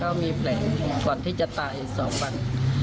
ก็มีแผลก่อนที่จะตายอีก๒วัน